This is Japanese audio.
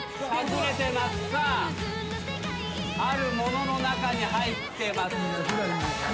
ある物の中に入ってます。